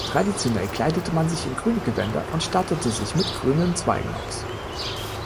Traditionell kleidete man sich in grüne Gewänder und stattete sich mit grünen Zweigen aus.